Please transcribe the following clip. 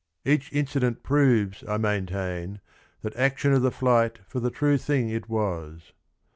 "Each incident Proves, I maintain, that action of the flight For the true thing it was."